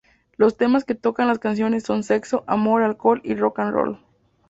Los temas que tocan las canciones son sexo, amor, alcohol y rock and roll.